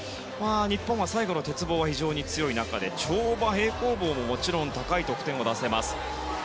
日本は最後の鉄棒が非常に強い中で跳馬、平行棒ももちろん高い得点を出せます。